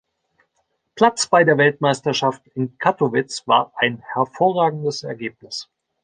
Platz bei der Weltmeisterschaft in Kattowitz war ein hervorragendes Ergebnis.